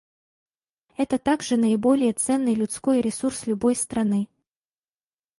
Это также наиболее ценный людской ресурс любой страны.